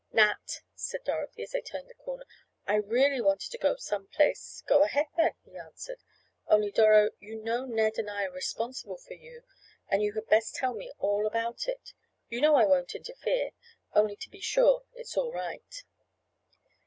"Nat," said Dorothy as they turned the corner, "I really wanted to go to some place—" "Go ahead then," he answered, "only, Doro, you know Ned and I are responsible for you and you had best tell me about it. You know I won't interfere—only to be sure it's all right."